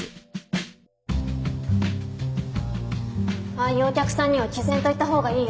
ああいうお客さんには毅然と言った方がいいよ